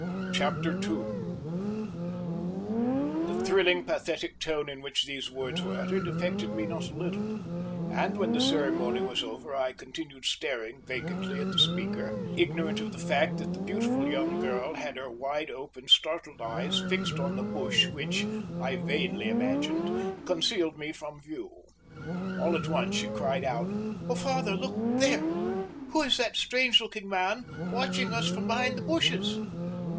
Chapter 2 The thrilling, pathetic tone in which these words were uttered affected me not a little; and when the ceremony was over I continued staring vacantly at the speaker, ignorant of the fact that the beautiful young girl had her wide open, startled eyes fixed on the bush which, I vainly imagined, concealed me from view. All at once she cried out: "Oh, father, look there! Who is that strange looking man watching us from behind the bushes?"